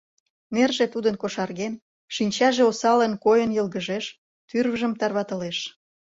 Нерже тудын кошарген, шинчаже осалын койын йылгыжеш, тӱрвыжым тарватылеш.